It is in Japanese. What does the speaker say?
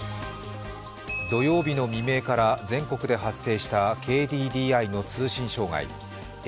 土曜日の未明から全国で発生したＫＤＤＩの通信障害。